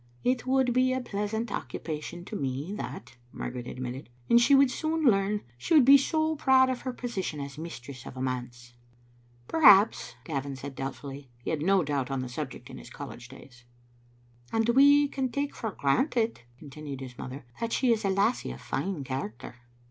"It would be a pleasant occupation to me, that, Margaret admitted. " And she would soon leam : she would be so proud of her position as mistress of a manse." " Perhaps, " Gavin said, doubtfully. He had no doubt on the subject in his college days. " And we can take for granted, " continued his mother, "that she is a lassie of fine character."